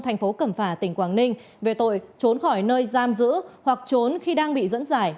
thành phố cẩm phả tỉnh quảng ninh về tội trốn khỏi nơi giam giữ hoặc trốn khi đang bị dẫn giải